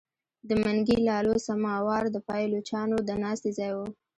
د منګي لالو سماوار د پایلوچانو د ناستې ځای وو.